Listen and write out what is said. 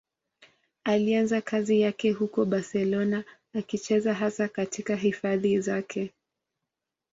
Alianza kazi yake huko Barcelona, akicheza hasa katika hifadhi zake.